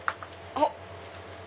あっ！